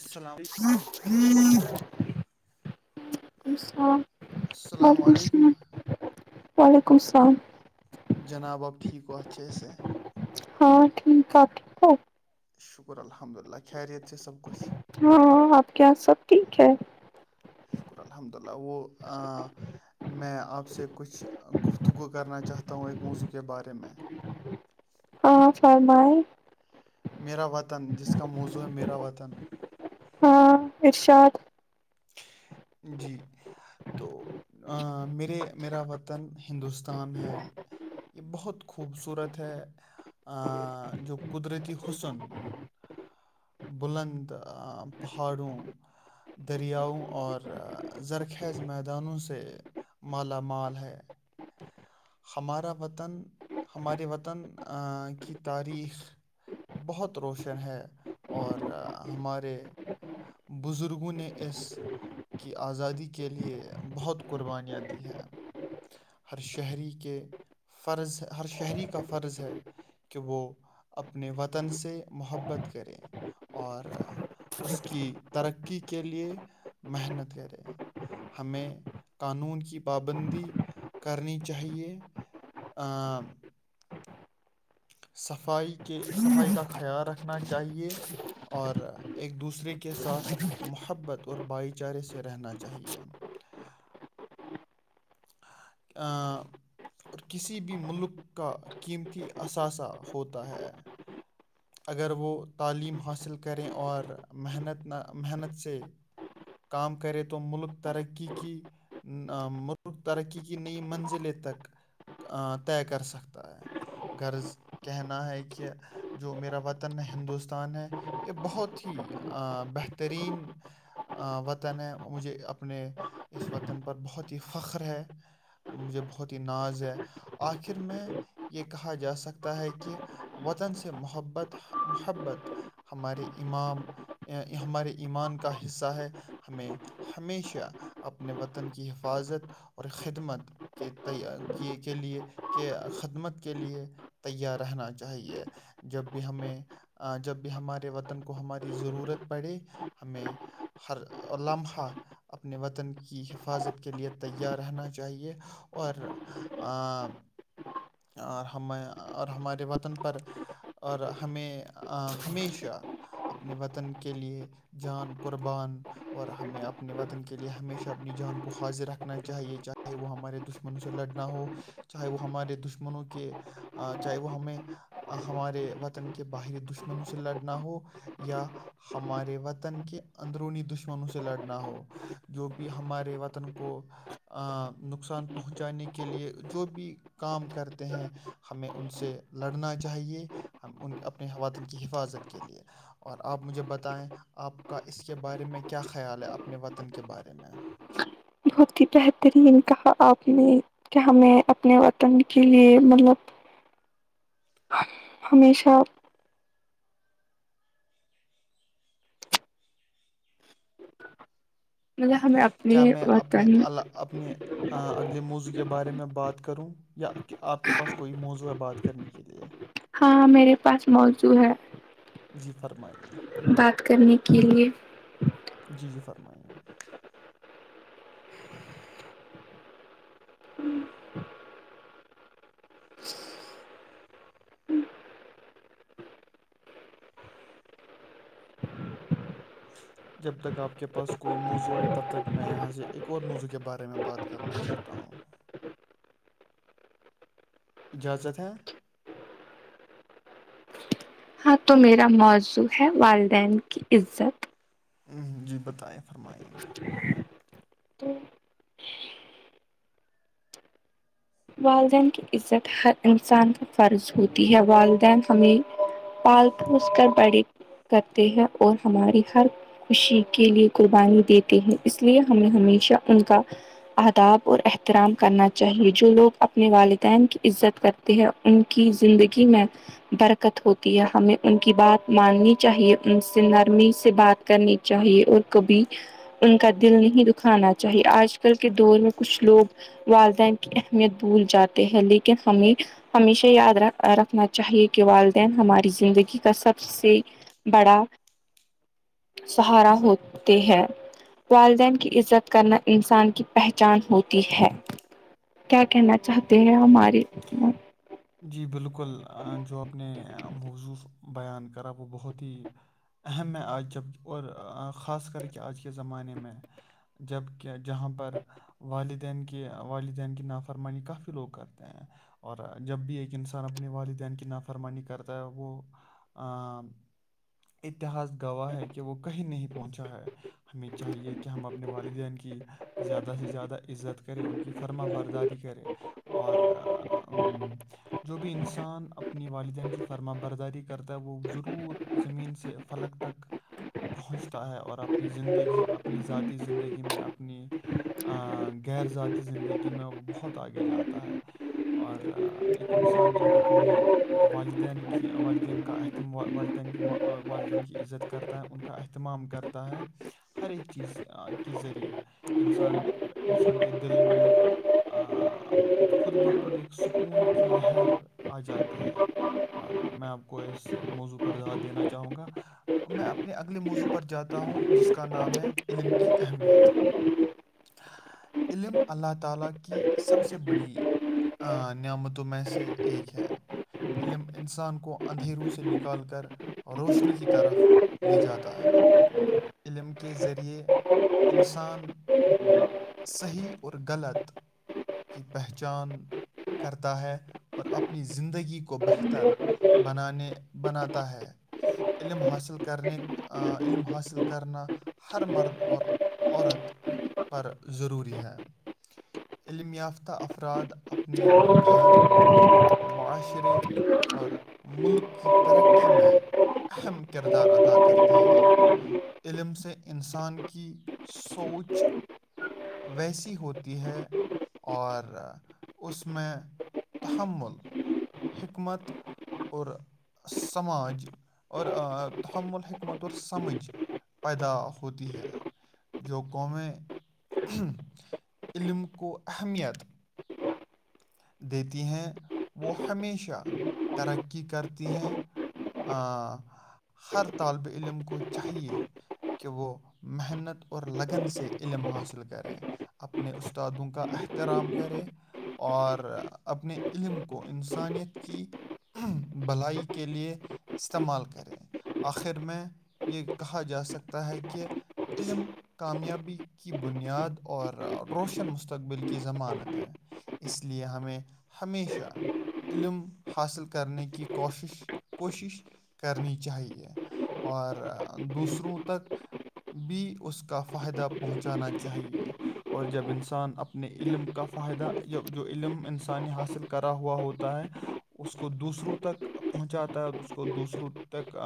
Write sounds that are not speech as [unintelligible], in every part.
السلام علیکم ہ ہوں [unintelligible] وعیکم السلام السلام وعلیکم علیکم السلام وعلیکم السلام جناب آب ٹھیکتھسے ہاں ٹھیک ٹاک ٹھیک ہے شکر الحمد اللہ خیریت سب کچھ ہاں آپ کے یہاں سب ٹھیک ہے شکر الحمد للہ وہ ہاں میں آپ سے کچھ گفتگو کرنا چاہتا ہوں ایک موضوع کے بارے میں ہاں فرمائ میرا وطن جس کا موضوع ہے میرا وطن ہاں ارشاد جی تو میرے میرا وطن ہندوستان ہے یہ بہت خوبصورت ہے آ جو قدرتی حسن بلند پہاڑوں دریاؤں اور زرخیز میدانوں سے مالا مال ہے ہمارا وطن ہمارے وطن کی تاریخ بہت روشن ہے اور ہمارے بزرگوں نے اس کی آزادی کے لیے بہت قربانیاں دی ہیں ہر شہری کے فرض ہر شہری کا فرض ہے کہ وہ اپنے وطن سے محبت کریں اور اس کی ترقی کے لیے محنت کریں ہمیں قانون کی پابندی کرنی چاہیے آ صفائی کے صفائی کا خیال رکھنا چاہیے اور ایک دوسرے کے ساتھ محبت اور بھائی چارے سے رہنا چاہیے ا اور کسی بھی ملک کا قیمتی اثاثہ ہوتا ہے اگر وہ تعلیم حاصل کریں اور محنت نہ محنت سے کام کرے تو ملک ترقی کی ملک ترقی کی نئی منزلیں تک طے کر سکتا ہے غرض کہنا ہے کہ [unintelligible] جو میرا وطن ہے ہندوستان ہے یہ بہت ہی بہترین وطن ہے مجھے اپنے اس وطن پر بہت ہی فخر ہے مجھے بہت ہی ناز ہے آخر میں یہ کہا جا سکتا ہے کہ وطن سے محبت محبت ہمارے امام ہمارے ایمان کا حصہ ہے ہمیں ہمیشہ اپنے وطن کی حفاظت اور خدمت کے کی کے لیے کہ خدمت کے لیے تیار رہنا چاہیے جب بھی ہمیں جب بھی ہمارے وطن کو ہماری ضرورت پڑے ہمیں ہر لمحہ [unintelligible] اپنے وطن کی حفاظت کے لیے تیار رہنا چاہیے اور اور ہم اور ہمارے وطن پر اور ہمیں ہمیشہ اپنے وطن کے لیے جان قربان اور ہمیں اپنے وطن کے لیے ہمیشہ اپنی جان کو حاضر رکھنا چاہیے چاہے وہ ہمارے دشمن دشمنوں سے لڑنا ہو چاہے وہ ہمارے دشمنوں کے چاہے وہ ہمیں ہمارے وطن کے باہری دشمنوں سے لڑنا ہو یا ہمارے وطن کے اندرونی دشمنوں سے لڑنا ہو جو بھی ہمارے وطن کو نقصان پہنچانے کے لیے جو بھی کام کر ہیں ہمیں ان سے لڑنا چاہیے ہم ان اپنے وطن کی حفاظت کے لیے اور آپ مجھے بتاے نا آپ کا اس کے بارے میں کیا خیال ہے اپنے وطن کے بارے میں بہت ہی بہترین کہا آپ نے کہ ہمیں اپنے وطن کے لیے مطلب ہمیشہ مطلب ہمیں اپنی کیا میں اپنے وتانی الا- اپنے اگلے موضوع کے بارے میں بات کروں یا آپ کے پاس کوئی موضوع ہے بات کرنے کے لئے ہاں میرے پاس موزوں ہے جی فرمائیے بات کرنے کے لیے جی جی فرمائیے جی جب تک آپ کے پاس کوئی موضوع آئے تب تک میں یہاں سے ایک اور موضوع کے بارے میں بات کرنا چاہ تا ھمم اجازت ہے ہاں تو میرا موضوع ہے والدین کی عزت جی بتائیں فرمائیں والدین کی عزت ہر انسان کا فرض ہوتی ہے والدین ہمیں پال پوس کر بڑے کرتے ہیں اور ہماری ہر خوشی کے لیے قربانی دیتے ہیں اس لیے ہمیں ہمیشہ ان کا آداب اور احترام کرنا چاہیے جو لوگ اپنے والدین کی عزت کرتے ہیں ان کی زندگی میں برکت ہوتی ہے ہمیں ان کی بات ماننی چاہیے ان سے نرمی سے بات کرنی چاہیے اور کبھی ان کا دل نہیں دکھانا چاہیے آج کل کے دور میں کچھ لوگ والدین کی اہم یت بھول جاتے ہیں لیکن ہمیں ہمیشہ یاد ر رکھنا چاہیے کہ والدین ہماری زندگی کا سب سے بڑا سہارا ہوتے ہے والدین کی عزت کرنا انسان کی پہچان ہوتی ہے کیا کہنا چاہتے ہیں ہماری جی بالکل جو آپ نے موضوع بیان کرا وہ بہت ہی اہم ہے آج جب اور خاص کر کے آج کے زمانے میں جب کیا جہاں پر والدین کی والدین کی نافرمانی کافی لوگ کرتے ہیں اور جب بھی ایک انسان اپنے والدین کی نافرمانی کرتا ہے وہ اتہاس گواہ ہے کہ وہ کہیں نہیں پہنچا ہے ہمیں چاہیے کہ ہم اپنے والدین کی زیادہ سے زیادہ عزت کریں ان کی فرما برداری کرے اور جو بھی انسان اپ اپنی والدین کی فرما برداری کرتا ہے وہ ضرور زمین سے فلک تک پہنچتا ہے اور اپنی زندگی اپنی ذاتی زندگی میں اپنی غیر ذاتی زندگی میں وہ بہت آگے جاتا ہے اور ایک انسان جب اپنے والدین کی والدین کا اہتم والدین کی والدین کی عزت کرتا ہے ان کا اہتمام کرتا ہے ہر ایک چیز کے ذریعے انسان انسان کے دل میں خود بخود ایک سکون کی لہر آ جاتی ہے اور میں آپ کو اس موضوع پر دا دینا چاہوں گا میں اپنے اگلے موضوع پر جاتا ہوں جس کا نام ہے علم کی اہمیت [unintelligible] ہ نعمتوں میں سے ایک ہے علم انسان کو اندھیروں سے نکال کر روشنی کی طرف لے جاتا ہے علم کے ذریعے انسان صحیح اور غلط کی پہچان کرتا ہے اور اپنی زندگی کو بہتر بنانے بناتا ہے علم حاصل کرنے علم حاصل کرنا ہر مرد اور عورت پر ضروری ہے علم یافتہ افراد اپنے اپنے گھر معاشرے اور ملک کی ترقی میں اہم کردار ادا کرتے ہیں علم سے انسان کی سوچ ویسی ہوتی ہے اور اس م میں تحمل حکمت اورور سماج اور تحمل ہےق متور سمجھ پیدا ہوتی ہے جو قووم علم کو اہمیت دیتی ہیں وہ ہمیشہ ترقی کرتی ہیں ہ ہر طالب علم کو چاہیے کہ وہ محنت اور لگن سے علم حاصل کریں اپنے استادوں کا احترام کرے اور اپنے علم کو انسانیت کی بھلائی کے لیے استعمال کریں آخر میں یہ کہا جا سکتا ہے کہ علم کامیابی کی بنیاد اور روشن مستقبل کی ضمانت ہے اس لیے ہمیں ہمیشہ علم حاصل کرنے کی کوشش کوشش کرنی چاہیے اور دوسروں تک بھی اس کا فائدہ پہنچانا چاہیے اور جب انسان اپنے علم کا فائدہ یا جو علم انسانی حاصل کرا ہوا ہوتا ہے اس کو دوسروں تک پہنچاتا ہے اس کو دوسروں تک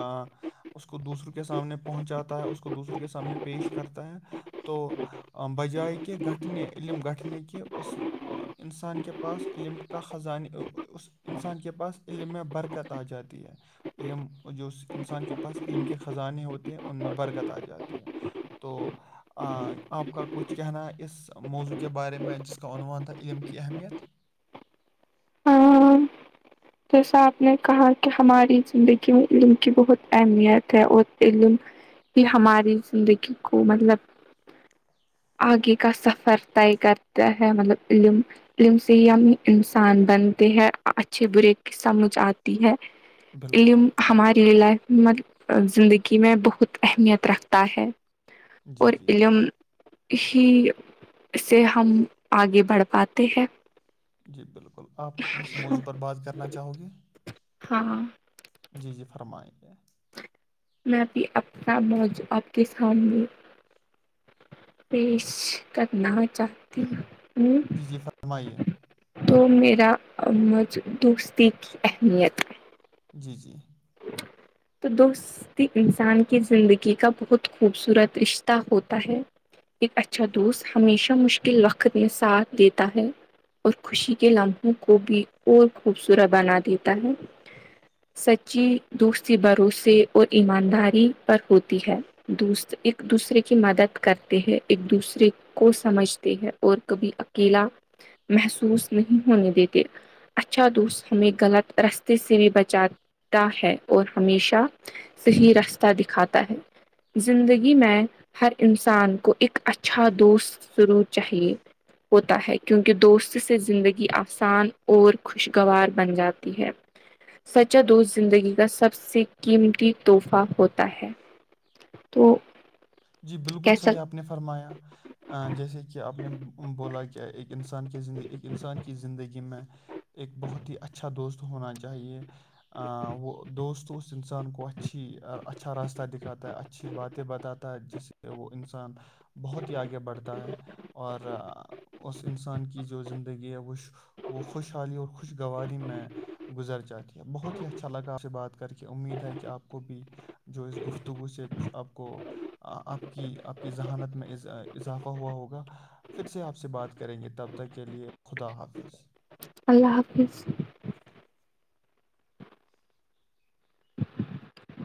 اس کو دوسروں کے سامنے پہنچاتا ہے اس کو دوسروں کے سامنے پیش کرتا ہے تو بجائے کہ گھٹھنے علم گھٹھنے کے اس آ، انسان کے پاس علم کا خزانے اس انسان کے پاس علم میں برکت آ جاتی ہے علم جو انسان کے پاس علم کے خزانے ہوتے ہیں ان میں برکت آ جاتی ہے تو آپ کا کچھ کہنا ہے اس موضوع کے بارے میں جس کا عنوان تھا علم کی اہمیت ہاں جیسا آپ نے کہا کہ ہماری زندگی میں علم کی بہت اہمیت ہے اور علم کہ ہماری زندگی کو مطلب آگے کا سفر طے کرتا ہے مطلب علم علم سے ہی ہم انسان بنتے ہیں اچھے برے سمجھ آتی ہے بالکل ہماری لائف میں زندگی میں بہت اہمیت رکھتا ہے جی اور جی جی علم ہی سے ہم آگے بڑھ پاتے ہیں جی بالکل آپ اس موضوع پر بات کرنا چاہو گے ہاں ہاں جی جی فرمائیں گے میں بھی اپنا موج آپ کے سامنے پیش کرنا چاہتی ہوں جی جی فرمائیے تو میرا امجھ دوستی کی اہمیت ہے۔ جی جی تو دست انسان کی زندگی کا بہت خوبصورت رشتہ ہوتا ہے ایک اچھا دوست ہمیشہ مشکل وقت میں ساتھ دیتا ہے اور خوشی کے لمحوں کو بھی اور خوبصورت بنا دیتا ہے سچی دوستری بھروسے اور ایمانداری پر ہوتی ہے دوست ایک دوسرے کی مدد کرتے ہے ایک دوسرے کو سمجھتے ہیں اور کبھی اکیلا محسوس نہیں ہونے دیتے اچھا دوست ہمیں غلط رستے سے بھی بچا ہے اور ہمیشہ صحیح رستہ دکھاتا ہے زندگی میں ہر انسان کو ایک اچھا دوست ذرور چاہیے ہوتا ہے کیونکہ دوست سے زندگی آسان اور خوشگوار بن جاتی ہے سچا دوست زندگی کا سب سے قیمتی تحفہ ہوتا ہے تو جی بالکل کیسا صحیح آپ نے فرمایا جیسے کہ آپ نے بولا کہ ایک انسان کے زندگی ایک انسان کی زندگی میں ایک بہت ہی اچھا دوست ہونا چاہیے وہ دوست اس اس انسان کو اچھی اچھا راستہ دکھاتا ہے اچھی باتیں بتاتا جس سے وہ انسان بہت ہی آگے بڑھتا ہے اور اس انسان کی جو زندگی ہے وہش وہ خوش حالی اور خش خوش گواری میں گزر جاتی ہے بہت ہی اچھا لگا آپ سے بات کر کے کہ امید ہے کہ آپ کو بھی جو اس گفتگو سے کچھ آپ کو آپ کی آپ کی ذہانت میں اضافہ ہوا ہوگا پھر سے آپ سے بات کریں گے تب تک کے لیے خدا حافظ اللہ حافظ